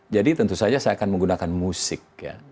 jadi tentu saja saya akan menggunakan musik